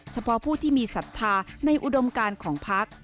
เฉพาะผู้ที่มีศรัทธาในอุดมการของพัก